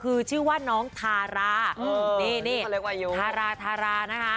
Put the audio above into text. คือชื่อว่าน้องทารานี่ทารานะฮะ